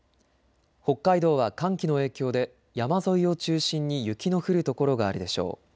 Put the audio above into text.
北海道は寒気の影響で山沿いを中心に雪の降る所があるでしょう。